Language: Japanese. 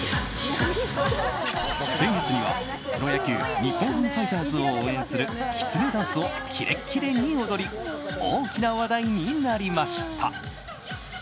先月にはプロ野球日本ハムファイターズを応援するきつねダンスをキレッキレに踊り大きな話題になりました。